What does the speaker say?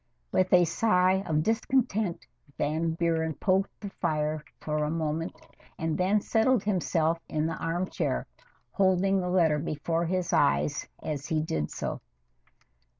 With a sigh of discontent, Van Buren poked the fire for moment and then settled himself in the armchair, holding the letter before his eyes as he did so.